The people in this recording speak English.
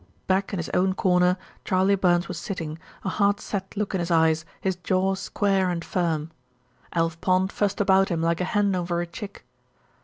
Back in his own corner, Charley Burns was sitting, a hard set look in his eyes, his jaw square and firm. Alf Pond fussed about him like a hen over a chick.